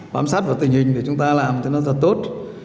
bám sát vào tình hình để chúng ta làm cho nó thật tốt